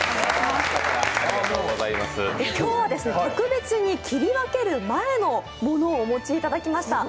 今日は特別に切り分ける前のものをお持ちいただきました。